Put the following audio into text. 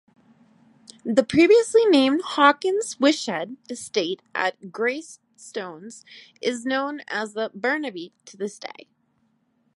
The previously-named Hawkins-Whitshed estate at Greystones is known as The Burnaby to this day.